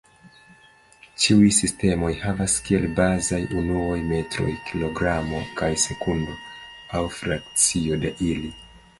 Ĉiuj sistemoj havas kiel bazajn unuoj metro, kilogramo kaj sekundo, aŭ frakcio de ili.